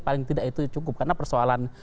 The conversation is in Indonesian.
paling tidak itu cukup karena persoalan